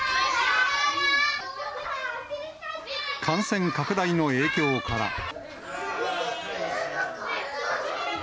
感染拡大の影響から。